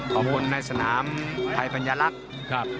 ขอบคุณในสนามไทยปัญลักษณ์